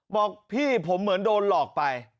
บอกพี่ผมเหมือนโดนหลอกไป